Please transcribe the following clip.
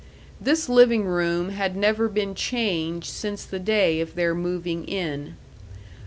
This living room had never been changed since the day of their moving in.